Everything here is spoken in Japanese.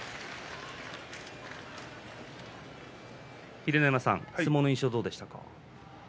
秀ノ山さん、相撲の印象どうでしたか？